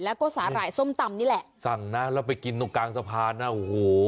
แล้วก็สาหร่ายส้มตำนี่แหละสั่งนะแล้วไปกินตรงกลางสะพานนะโอ้โห